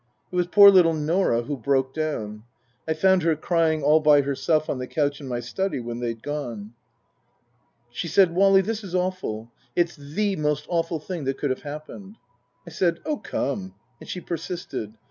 It was poor little Norah who broke down. I found her crying all by herself on the couch in my study when they'd gone. She said, " Wally, this is awful. It's the most awful thing that could have happened." I said, " Oh, come " and she persisted.